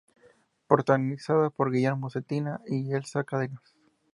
Protagonizada por Guillermo Zetina y Elsa Cárdenas.